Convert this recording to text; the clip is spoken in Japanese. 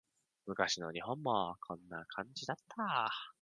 昔の日本もこんな感じだった